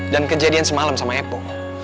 dan kejadian semalam sama epo